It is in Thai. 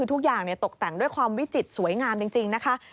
ทุกอย่างตกแต่งด้วยความวิจิตรสวยงามจริงนะคะ